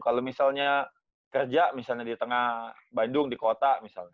kalau misalnya kerja di tengah bandung di kota